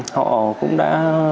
họ cũng đã